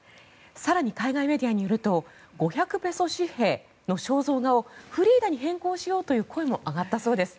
更に海外メディアによると５００ペソ紙幣の肖像画をフリーダに変更しようという声も上がったそうです。